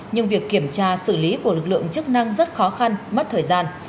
nhưng việc kiểm tra xử lý của lực lượng chức năng rất khó khăn mất thời gian